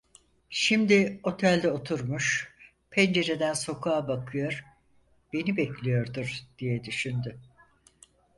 Şimdi otelde oturmuş, pencereden sokağa bakıyor, beni bekliyordur, diye düşündü.